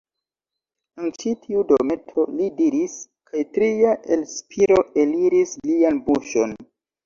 En ĉi tiu dometo, li diris, kaj tria elspiro eliris lian buŝon.